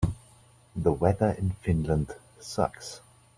The weather in Finland sucks.